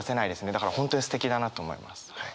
だから本当にすてきだなと思います。